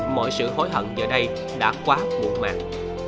mọi sự hối hận giờ đây đã quá buồn mạng